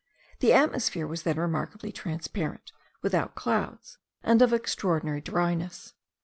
The atmosphere was then remarkably transparent, without clouds, and of extraordinary dryness.